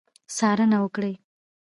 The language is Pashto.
څارنه وکړي.